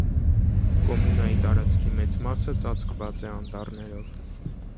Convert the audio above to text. Կոմունայի տարածքի մեծ մասը ծածկված է անտառներով։